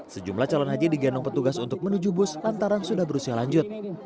sejumlah calon haji digendong petugas untuk menuju bus lantaran sudah berusia lanjut